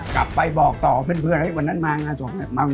กลับไปบอกต่อเพื่อนวันนั้นมางานสวบเนี่ย